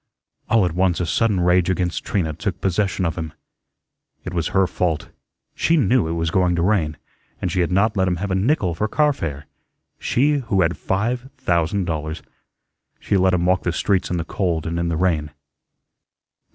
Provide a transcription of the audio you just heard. All at once a sudden rage against Trina took possession of him. It was her fault. She knew it was going to rain, and she had not let him have a nickel for car fare she who had five thousand dollars. She let him walk the streets in the cold and in the rain.